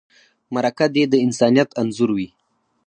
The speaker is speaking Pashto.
مرکه دې د انسانیت انځور وي.